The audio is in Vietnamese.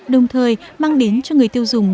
đồng thời mang đến cho người tiêu dùng